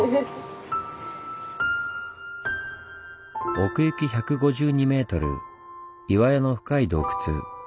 奥行き１５２ｍ岩屋の深い洞窟。